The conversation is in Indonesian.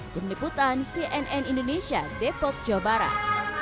peniputan cnn indonesia depok jawa barat